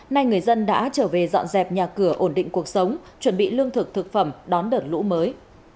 nay người dân đã trở về dọn dẹp nhà cửa ổn định cuộc sống chuẩn bị lương thực thực phẩm đón đợt lũ mới